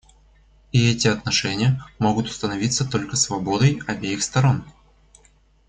И эти отношения могут установиться только свободой обеих сторон.